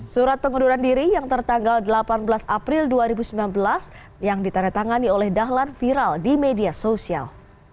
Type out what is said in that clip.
surat pengunduran diri yang tertanggal delapan belas april dua ribu sembilan belas yang ditandatangani oleh dahlan viral di media sosial